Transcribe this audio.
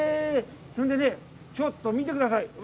ちょっと見てください。